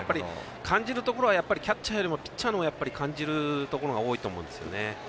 肝心なところはキャッチャーよりピッチャーの方が感じるところが多いと思うんです。